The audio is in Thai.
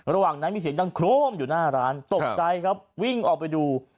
ระหว่างนั้นมีเสียงดังโครมอยู่หน้าร้านตกใจครับวิ่งออกไปดู